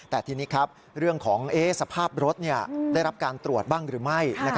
แต่ทีนี้ครับเรื่องของสภาพรถได้รับการตรวจบ้างหรือไม่